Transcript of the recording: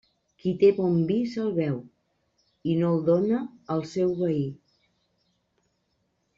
Qui té bon vi, se'l beu, i no el dóna al seu veí.